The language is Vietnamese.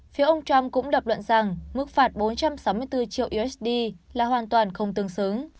phía ông trump cũng lập luận rằng mức phạt bốn trăm sáu mươi bốn triệu usd là hoàn toàn không tương xứng